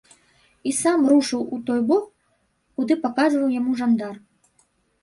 І сам рушыў у той бок, куды паказаў яму жандар.